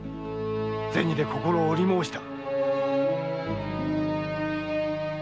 銭で心を売り申した。